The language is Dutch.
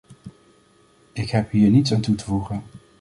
Ik heb hier niets aan toe te voegen.